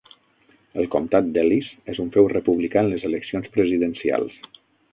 El comtat d'Ellis és un feu republicà en les eleccions presidencials.